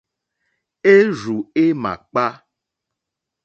Érzù é màkpá.